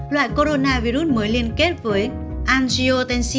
loại coronavirus mới liên kết với angiotensin hai